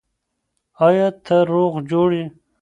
آیا ته روغ جوړ یې؟